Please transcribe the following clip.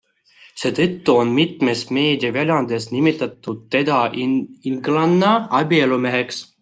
Seetõttu on mitmes meediaväljaandes nimetatud teda inglanna abielumeheks.